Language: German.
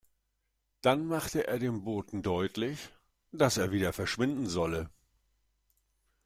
Dann machte er dem Boten deutlich, dass er wieder verschwinden solle.